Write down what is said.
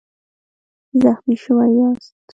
زخمي شوی یاست؟